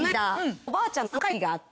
おばあちゃんの３回忌があって。